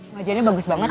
wajahnya bagus banget bu